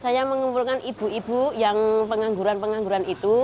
saya mengumpulkan ibu ibu yang pengangguran pengangguran itu